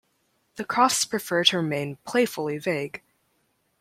The Kroffts prefer to remain playfully vague.